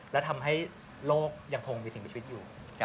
และทำให้โลกยังคงมีสิ่งมีชีวิตอยู่